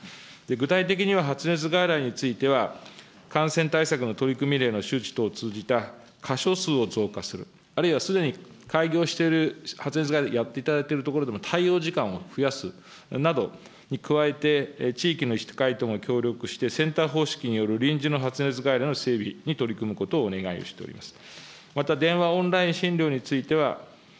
具体的には発熱外来については、感染対策の取り組み例の周知等を通じた箇所数を増加する、あるいはすでに開業している、発熱外来やっていただいているところでも対応時間を増やすなど、加え、地域の医師会とも協力して、センター方式による臨時の発熱外来の整備に取り組むことをお願いをしております。